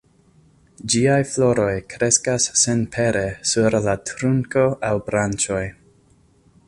Ĝiaj floroj kreskas senpere sur la trunko aŭ branĉoj.